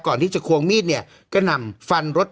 ก่อนที่จะควงมีดเนี่ยก็นำฟันรถ